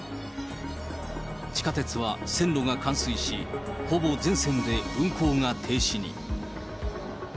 地下鉄は線路が冠水し、ほぼ全線で運行が停止に。